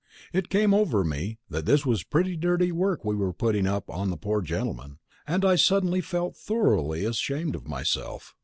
It came over me that this was pretty dirty work we were putting up on the poor gentleman, and I suddenly felt thoroughly ashamed of myself.